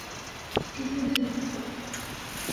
Kisu cha kumenyea na kukatia viazi lishe